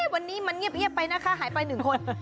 วันนี้มันเงียบไปนะคะหายไป๑คน